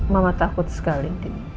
mama takut sekali